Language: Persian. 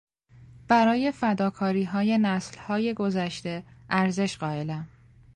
برای فداکاریهای نسلهای گذشته ارزش قایلم.